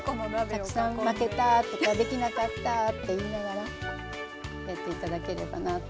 たくさん巻けたとかできなかったって言いながらやっていただければなと思います。